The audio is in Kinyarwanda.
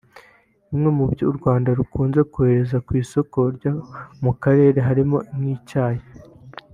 Bimwe mu byo u Rwanda rukunze koherereza ku isoko ryo mu karere harimo nk’icyayi